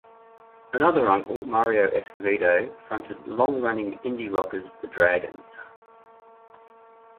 Another uncle, Mario Escovedo, fronted long-running indie rockers The Dragons.